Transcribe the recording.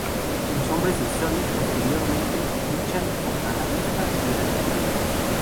Los hombres de Sonny posteriormente luchan contra la Avispa y Ant-Man.